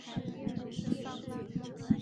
各地 A 级旅游景区应加强汛期隐患排查